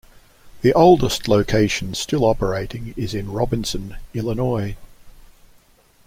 The oldest location still operating is in Robinson, Illinois.